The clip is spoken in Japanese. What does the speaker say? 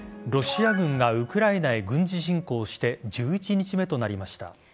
ロシア軍がウクライナへ軍事侵攻して１１日目となりました。